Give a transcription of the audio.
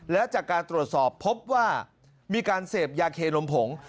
และจากการตรวจสอบพบว่ามีการเสพยาเคนมผง